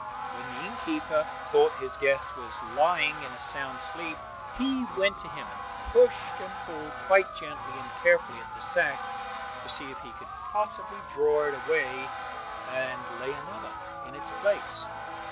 When the inn keeper thought his guest was lying in a sound sleep, he went to him and pushed and pulled quite gently and carefully at the sack to see if he could possibly draw it away and lay another in its place.